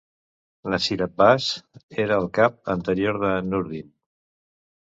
Nasir Abbas era el cap anterior de Noordin.